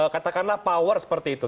katakanlah power seperti itu